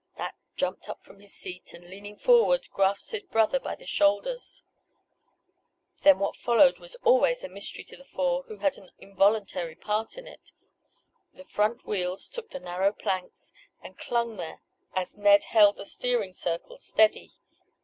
Nat jumped up from his seat, and, leaning forward, grasped his brother by the shoulders. Then what followed was always a mystery to the four who had an involuntary part in it. The front wheels took the narrow planks, and clung there as Ned held the steering circle steady.